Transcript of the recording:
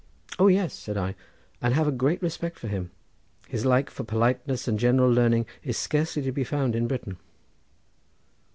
"Oh yes," said I, "and have a great respect for him; his like for politeness and general learning is scarcely to be found in Britain."